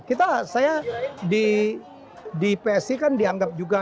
kita saya di psi kan dianggap juga